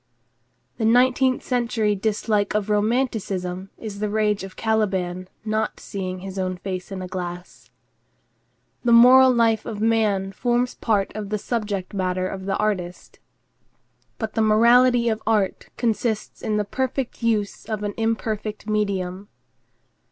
The nineteenth century dislike of romanticism is the rage of Caliban not seeing his own face in a glass. The moral life of man forms part of the subject matter of the artist, but the morality of art consists in the perfect use of an imperfect medium.